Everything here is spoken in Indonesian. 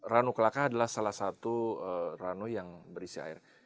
ranu kelaka adalah salah satu ranu yang berisi air